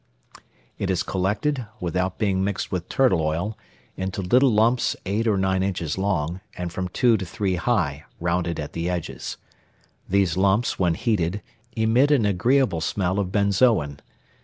It is collected, without being mixed with turtle oil, into little lumps eight or nine inches long, and from two to three high, rounded at the edges. These lumps, when heated, emit an agreeable smell of benzoin.